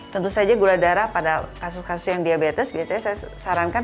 tentu saja gula darah pada kasus kasus yang diabetes biasanya saya sarankan